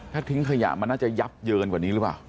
ถ้าทิ้งขยะมันน่าจะยับเยินกว่านี้หรือเปล่า